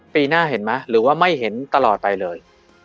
ปีหน้าเห็นไหมหรือว่าไม่เห็นตลอดไปเลย